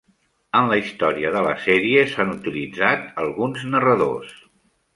En la història de la sèrie s'han utilitzat alguns narradors.